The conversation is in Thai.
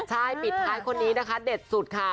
ใช่ปิดท้ายคนนี้นะคะเด็ดสุดค่ะ